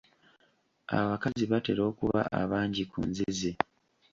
Abakazi batera okuba abangi ku nzizi.